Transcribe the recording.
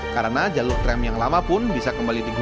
kenapa lo nggak setuju